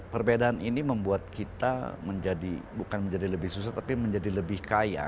perbedaan ini membuat kita menjadi bukan menjadi lebih susah tapi menjadi lebih kaya